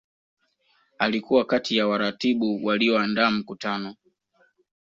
Alikuwa kati ya waratibu walioandaa mkutano